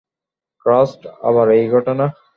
Christ, আবার এই ঘটনা!